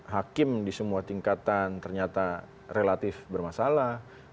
hakim di semua tingkatan ternyata relatif bermasalah